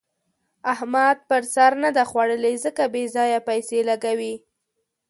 احمد پر سر نه ده خوړلې؛ ځکه بې ځايه پيسې لګوي.